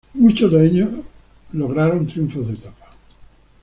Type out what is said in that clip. Muchos de ellos lograron triunfos de etapa.